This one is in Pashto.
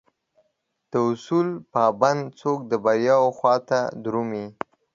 داصول پابند څوک دبریاوخواته درومي